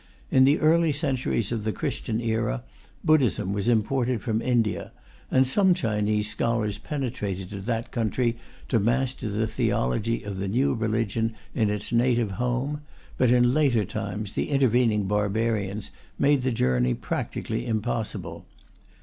In the early centuries of the Christian era, Buddhism was imported from India, and some Chinese scholars penetrated to that country to master the theology of the new religion in its native home, but in later times the intervening barbarians made the journey practically impossible.